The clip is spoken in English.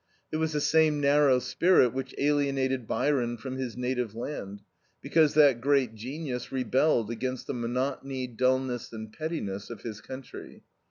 It was the same narrow spirit which alienated Byron from his native land, because that great genius rebelled against the monotony, dullness, and pettiness of his country.